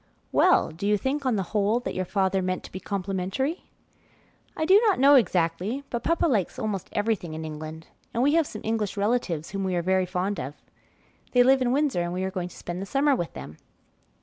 "Well, do you think, on the whole, that your father meant to be complimentary?" "1 do not know exactly, but papa likes almost everything in England, and we have some English relatives whom we are very fond of. They live in Windsor, and we are going to spend the summer with them."